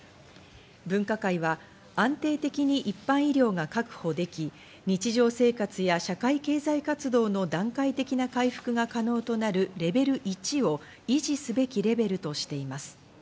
分科会は安定的に一般医療が確保でき、日常生活や社会経済活動の段階的な回復が可能となるレベル１を維持すべきレベルとしています。